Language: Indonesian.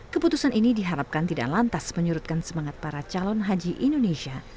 keputusan ini diharapkan tidak lantas menyurutkan semangat para calon haji indonesia